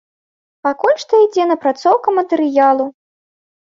Пакуль што ідзе напрацоўка матэрыялу.